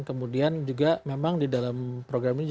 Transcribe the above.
kemudian juga memang di dalam program ini